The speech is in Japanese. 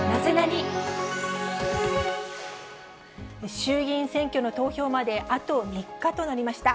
衆議院選挙の投票まであと３日となりました。